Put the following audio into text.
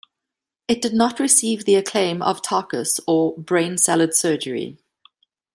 It did not receive the acclaim of "Tarkus" or "Brain Salad Surgery".